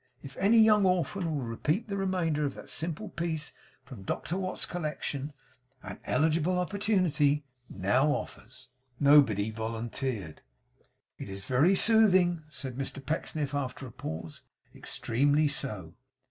If any young orphan will repeat the remainder of that simple piece from Doctor Watts's collection, an eligible opportunity now offers.' Nobody volunteered. 'This is very soothing,' said Mr Pecksniff, after a pause. 'Extremely so.